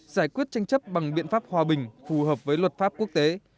giải quyết tranh chấp bằng biện pháp hòa bình phù hợp với luật pháp quốc tế